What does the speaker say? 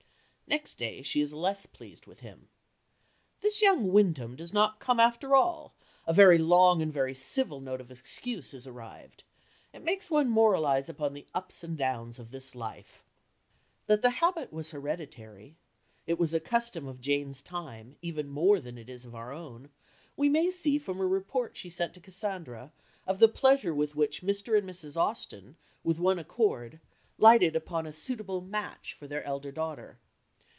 Next day she is less pleased with him "This young Wyndham does not come after all; a very long and very civil note of excuse is arrived. It makes one moralize upon the ups and downs of this life." That the habit was hereditary it was a custom of Jane's time, even more than it is of our own we may see from a report she sent to Cassandra of the pleasure with which Mr. and Mrs. Austen, with one accord, lighted upon a suitable "match" for their elder daughter.